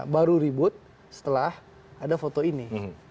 baru ribut setelah ada foto ini